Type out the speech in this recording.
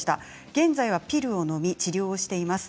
現在はピルをのみ治療をしています。